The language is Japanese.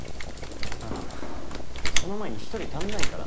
うんその前に一人足んないから。